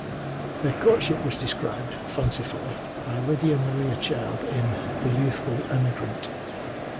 Their courtship was described, fancifully, by Lydia Maria Child in The Youthful Emigrant.